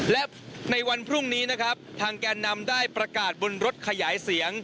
และในวันพรุ่งนี้นะครับทางแกนนำได้ประกาศบนรถขยายเสียง